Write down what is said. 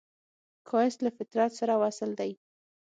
ښایست له فطرت سره وصل دی